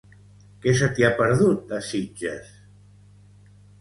Què se t'hi ha perdut, a Sitges?